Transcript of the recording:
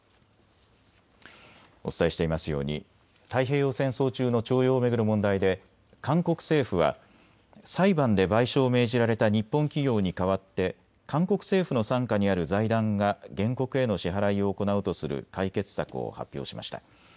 お伝えしていますように太平洋戦争中の徴用を巡る問題で韓国政府は裁判で賠償を命じられた日本企業に代わって韓国政府の傘下にある財団が原告への支払いを行うとする解決策を発表しました。